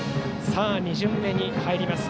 ２巡目に入ります。